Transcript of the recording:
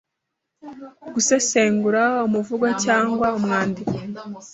Gusesengura umuvugo cyangwa umwandiko